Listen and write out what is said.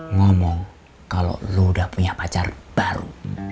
ngomong kalau lo udah punya pacar baru